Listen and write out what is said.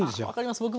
あ分かります。